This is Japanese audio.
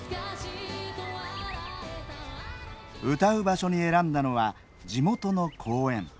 歌う場所に選んだのは地元の公園。